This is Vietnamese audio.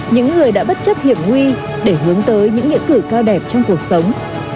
những người đã bất chấp hiểm nguy để hướng tới những nghĩa cử cao đẹp trong cuộc sống